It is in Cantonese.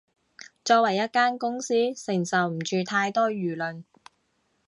作為一間公司，承受唔住太多輿論